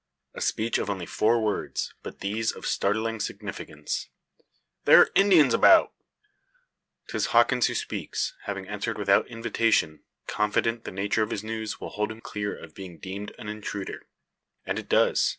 A speech of only four words, but these of startling significance: "There are Indians about!" 'Tis Hawkins who speaks, having entered without invitation, confident the nature of his news will hold him clear of being deemed an intruder. And it does.